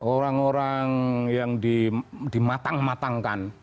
orang orang yang dimatang matangkan